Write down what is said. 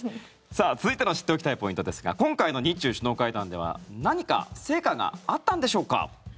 さあ続いての知っておきたいポイントですが今回の日中首脳会談では何か成果があったんでしょうか。